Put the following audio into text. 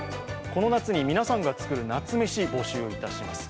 この夏に皆さんが作る夏メシを募集いたします。